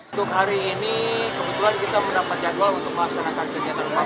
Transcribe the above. untuk hari ini kebetulan kita mendapat jadwal untuk memaksanakan kejadian pameran